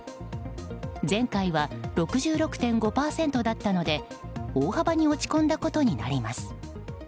前回は６６．５％だったので大幅に落ち込んだことになります。